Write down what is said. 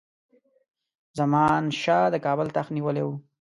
زمان شاه د کابل تخت نیولی وو.